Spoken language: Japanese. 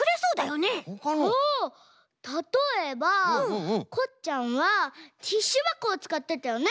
あったとえばこっちゃんはティッシュばこをつかってたよね？